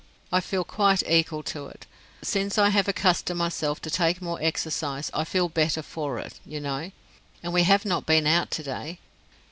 I feel quite equal to it. Since I have accustomed myself to take more exercise I feel better for it, you know; and we have not been out to day.